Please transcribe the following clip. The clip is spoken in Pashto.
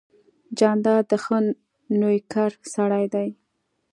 جانداد د ښه نویکر سړی دی.